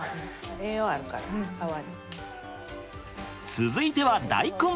続いては大根！